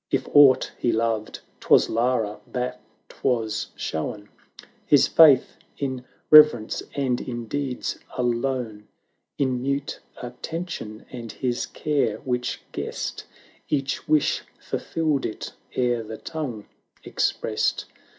' XXVII. If aught he loved, 'twas Lara; but was shown His faith in reverence and in deeds alone; In mute attention; and his care, which guessed Each wish, fulfilled it ere the tongue expressed.